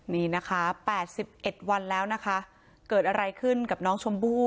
นี่นะคะ๘๑วันแล้วนะคะเกิดอะไรขึ้นกับน้องชมพู่